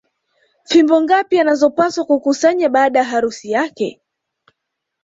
Fimbo ngapi anazopaswa kukusanya baada ya harusi yake